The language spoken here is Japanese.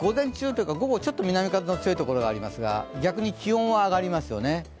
午後、ちょっと南風の強いところはありますが逆に気温は上がりますよね。